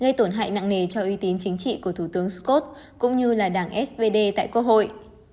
gây tổn hại nặng nề cho uy tín chính trị của thủ tướng scott cũng như là đảng svd tại quốc hội